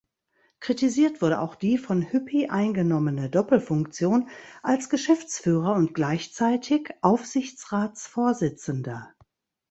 Kritisiert wurde auch die von Hüppi eingenommene Doppelfunktion als Geschäftsführer und gleichzeitig Aufsichtsratsvorsitzender.